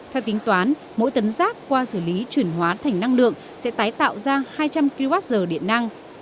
theo tính toán mỗi tấn rác qua xử lý chuyển hóa thành năng lượng sẽ tái tạo ra hai trăm linh kwh điện năng